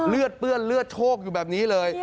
เลือดเปื้อนเลือดโชคอยู่แบบนี้เลย